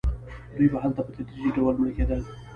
دوی به هلته په تدریجي ډول مړه کېدل.